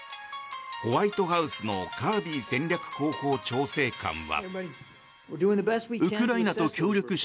ホワイトハウスのカービー戦略広報調整官は。